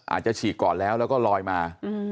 ฉีกก่อนแล้วแล้วก็ลอยมา